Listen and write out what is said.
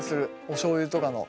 おしょうゆとかの。